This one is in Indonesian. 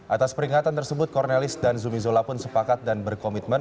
atas peringatan tersebut cornelis dan zumi zola pun sepakat dan berkomitmen